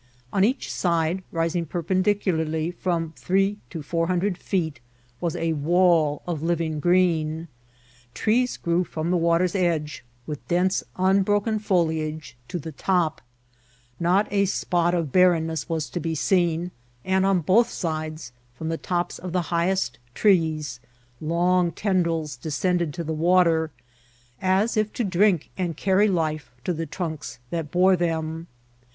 On each side, rising perpendicularly from three to four hundred feet, was a wall of living green. Trees grew from the water's edge, with dense, unbroken foliage, to the top ; not a spot of barrenness was to be seen ; and on both sides, from the tops of the highest trees, long tendrils descended to the water, as if to drink and carry life to the trunks that bore them.